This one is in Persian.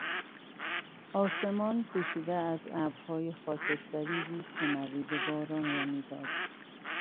آسمان پوشیده از ابرهای خاکستری بود که نوید باران را میداد